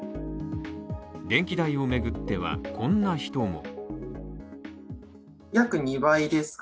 電気代を巡っては、こんな人も。